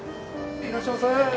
いらっしゃいませ。